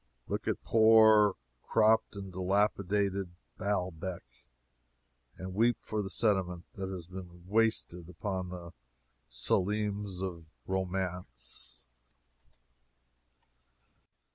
Look at poor cropped and dilapidated "Baalbec," and weep for the sentiment that has been wasted upon the Selims of romance!